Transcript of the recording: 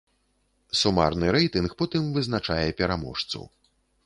Сумарны рэйтынг потым вызначае пераможцу.